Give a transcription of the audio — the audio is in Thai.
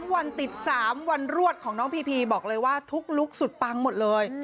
วันติด๓วันรวดของน้องพีพีบอกเลยว่าทุกลุคสุดปังหมดเลย